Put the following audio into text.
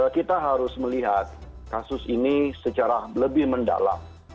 kita harus melihat kasus ini secara lebih mendalam